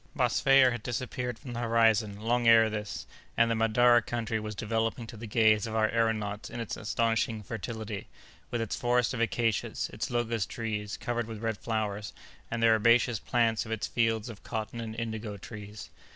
Mosfeia had disappeared from the horizon long ere this, and the Mandara country was developing to the gaze of our aëronauts its astonishing fertility, with its forests of acacias, its locust trees covered with red flowers, and the herbaceous plants of its fields of cotton and indigo trees.